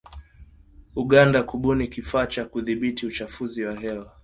Uganda kubuni kifaa cha kudhibiti uchafuzi wa hewa